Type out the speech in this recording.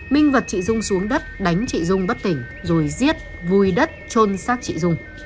mình vật chị dung xuống đất đánh chị dung bất tỉnh rồi giết vui đất trôn xác chị dung